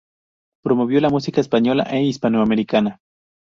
Promovió la música española e hispanoamericana.